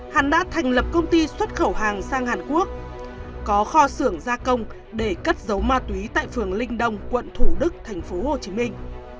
hắn đã thành lập công ty xuất khẩu hàng sang hàn quốc có kho xưởng gia công để cất giấu ma túy tại phường linh đông quận thủ đức thành phố hồ chí minh